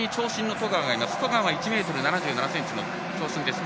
十川は１ｍ７７ｃｍの長身です。